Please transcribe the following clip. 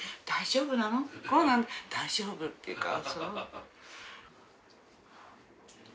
「大丈夫」って言うから。